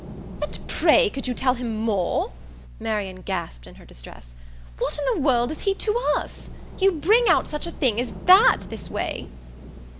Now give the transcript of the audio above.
"And pray could you tell him more?" Marian gasped in her distress. "What in the world is he TO us? You bring out such a thing as that this way?"